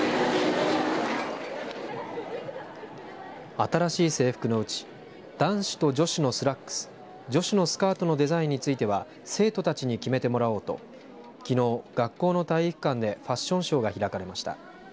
新しい制服のうち男子と女子のスラックス女子のスカートのデザインについては生徒たちに決めてもらおうときのう学校の体育館でファッションショーが開かれました。